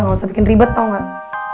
gak usah bikin ribet tau gak